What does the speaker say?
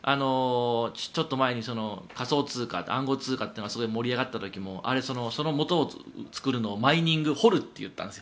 ちょっと前に仮想通貨、暗号通貨が盛り上がった時もその元を作るのをマイニング掘るって言うんです。